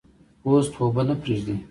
پوست اوبه نه پرېږدي.